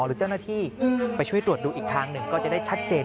หรือเจ้าหน้าที่ไปช่วยตรวจดูอีกทางหนึ่งก็จะได้ชัดเจน